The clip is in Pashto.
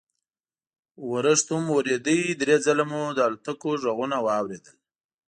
ورښت هم ودرېد، درې ځله مو د الوتکو غږونه واورېدل.